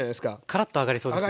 カラッと揚がりそうですね。